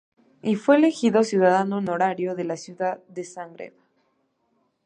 Y fue elegido ciudadano honorario de la ciudad de Zagreb.